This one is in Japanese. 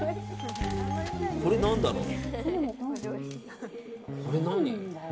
これ何だろう？